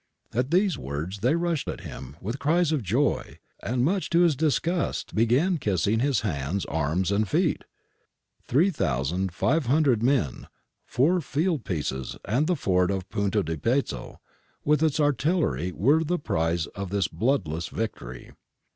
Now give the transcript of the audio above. At these words they rushed at him with cries of joy and much to his disgust began kissing his hands, arms, and feet Three thousand five hundred men, four field pieces, and the fort of Punto del Pezzo with its artillery were the prize of this bloodless victory.